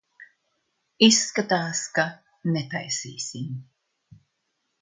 Izskatās, ka netaisīsim.